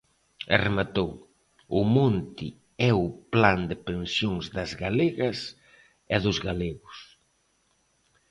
E rematou: "o monte é o plan de pensións das galegas e dos galegos".